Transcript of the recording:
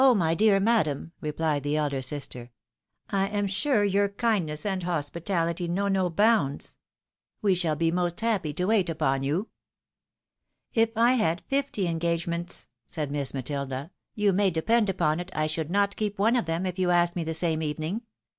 my dear madam," replied the elder sister, " I am sure your kindness and hospitality know no bounds. We shall be most happy to wait upon you." " If I had fifty engagements," said Miss Matilda, " you may depend upon it I should not keep one of them, if you asked me the same evening.